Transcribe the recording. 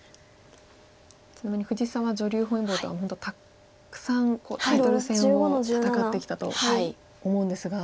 ちなみに藤沢女流本因坊とはもう本当たくさんタイトル戦を戦ってきたと思うんですが。